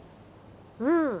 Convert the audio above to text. うん。